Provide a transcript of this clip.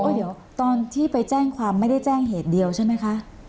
เดี๋ยวตอนที่ไปแจ้งความไม่ได้แจ้งเหตุเดียวใช่ไหมคะ